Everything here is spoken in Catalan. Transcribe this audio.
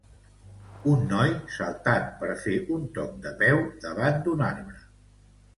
Un noi saltant per fer un toc de peu davant d'un arbre.